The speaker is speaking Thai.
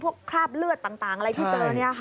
คราบเลือดต่างอะไรที่เจอ